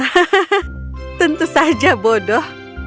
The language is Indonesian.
hahaha tentu saja bodoh